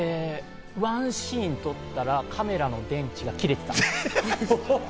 ワンシーン撮ったらカメラの電池が切れていた。